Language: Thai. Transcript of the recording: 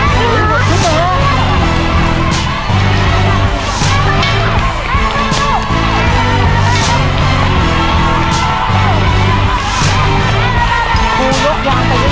คู่ยกย้างไปเรื่อยเลยก็ได้